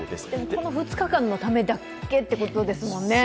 この２日間のためだけってことですもんね。